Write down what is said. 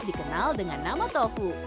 dikenal dengan nama tofu